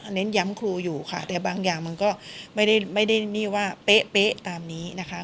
ค่ะก็มีเน้นย้ำครูอยู่ค่ะแต่บางอย่างมันก็ไม่ได้เป๊ะตามนี้นะคะ